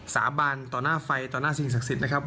สาบานต่อหน้าไฟต่อหน้าสิ่งศักดิ์สิทธิ์นะครับ